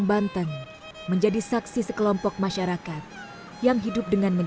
bahkan di regional legislatif yang ditutup